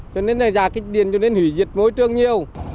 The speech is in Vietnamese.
cho nên là giả kích điện cho nên hủy diệt môi trường nhiều